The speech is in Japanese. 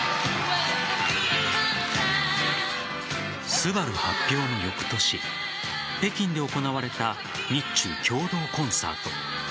「昴」発表の翌年北京で行われた日中共同コンサート。